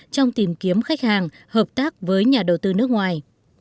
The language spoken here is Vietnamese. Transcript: trong tìm kiếm khách hàng hợp tác với nhà đầu tư nước ngoài